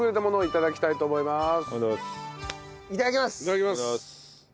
いただきます。